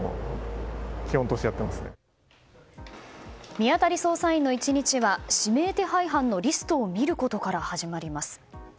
見当たり捜査員の１日は指名手配犯のリストを見ることから始まります。